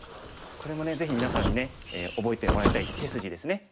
これもぜひみなさんにね覚えてもらいたい手筋ですね。